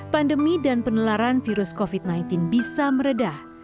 pandemi dan penularan virus covid sembilan belas bisa meredah